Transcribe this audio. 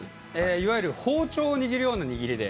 いわゆる包丁を握るような握りで。